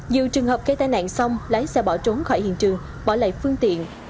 nhiều trường hợp gây tai nạn xong lái xe bỏ trốn khỏi hiện trường bỏ lại phương tiện